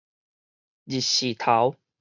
日時頭